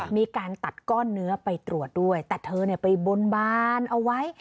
มีการตัดก้อนเนื้อไปตรวจด้วยแต่เธอไปบนบานเอาไว้